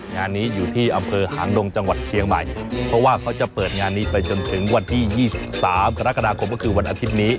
งานนี้อยู่ที่อำเภอหางดงจังหวัดเชียงใหม่เพราะว่าเขาจะเปิดงานนี้ไปจนถึงวันที่๒๓กรกฎาคมก็คือวันอาทิตย์นี้